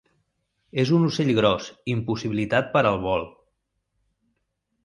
És un ocell gros impossibilitat per al vol.